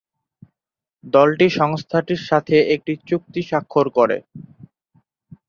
দলটি সংস্থাটির সাথে একটি চুক্তি স্বাক্ষর করে।